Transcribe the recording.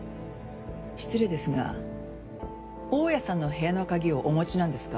失礼ですが大家さんの部屋の鍵をお持ちなんですか？